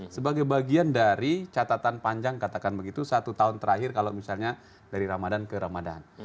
sebagai bagian dari catatan panjang katakan begitu satu tahun terakhir kalau misalnya dari ramadan ke ramadan